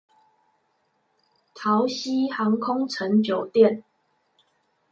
桃禧航空城酒店